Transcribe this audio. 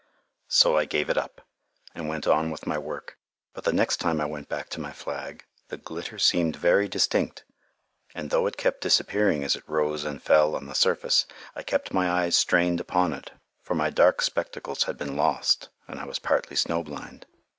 So I gave it up, and went on with my work. But the next time I went back to my flag, the glitter seemed very distinct, and though it kept disappearing as it rose and fell on the surface, I kept my eyes strained upon it, for my dark spectacles had been lost, and I was partly snowblind.